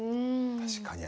確かに。